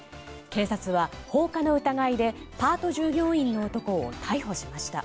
警察は放火の疑いでパート従業員の男を逮捕しました。